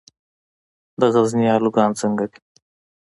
د غزني الوګان څنګه دي؟